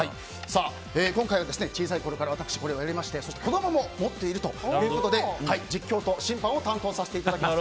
今回は小さいころから私もやりましてそして子供も持っているということで実況と審判を担当させていただきます。